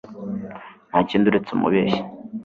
Nta kindi uretse umubeshyi